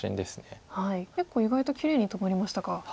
結構意外ときれいに止まりましたか。